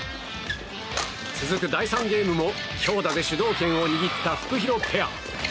続く第３ゲームも強打で主導権を握ったフクヒロペア。